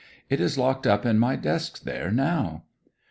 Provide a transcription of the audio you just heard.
'It is locked up in my desk there now.'